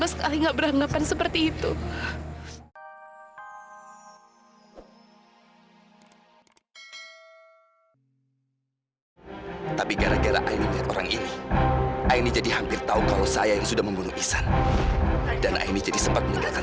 sampai jumpa di video selanjutnya